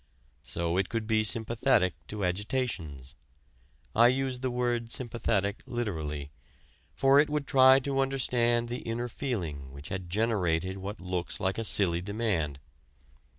So it could be sympathetic to agitations. I use the word sympathetic literally. For it would try to understand the inner feeling which had generated what looks like a silly demand.